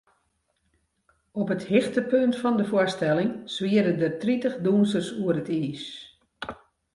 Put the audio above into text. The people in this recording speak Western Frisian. Op it hichtepunt fan de foarstelling swiere der tritich dûnsers oer it iis.